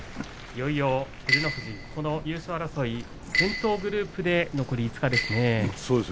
いよいよ優勝争い先頭グループで照ノ富士残り５日ですね。